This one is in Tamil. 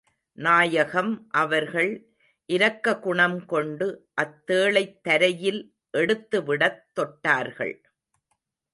நாயகம் அவர்கள் இரக்ககுணம் கொண்டு, அத் தேளைத் தரையில் எடுத்துவிடத் தொட்டார்கள்.